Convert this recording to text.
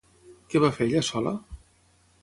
Què va fer ella sola?